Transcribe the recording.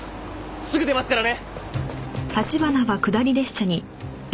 すぐ出ますからね！